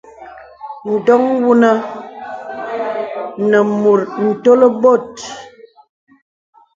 Ǹdoŋ wanùŋ nə mùt ǹtol bòt.